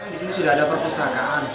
di sini sudah ada perpustakaan